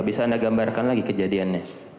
bisa anda gambarkan lagi kejadiannya